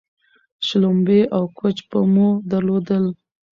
شلومبې او کوچ به مو درلودل